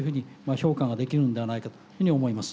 評価ができるんではないかというふうに思います。